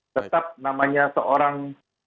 tetap namanya seorang